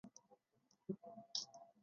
He is an online editor of "Human Events".